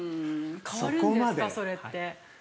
◆変わるんですか、それって。